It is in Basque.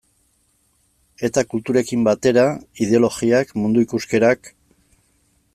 Eta kulturekin batera ideologiak, mundu ikuskerak...